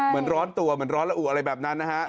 เหมือนร้อนตัวเหมือนร้อนระอุอะไรแบบนั้นนะฮะ